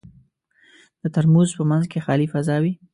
د ترموز په منځ کې خالي فضا وي.